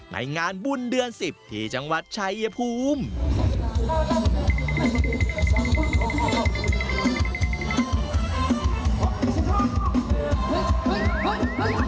ในงานบุญเดือน๑๐ที่จังหวัดชายภูมิ